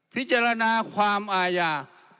พิจารณาความอาญา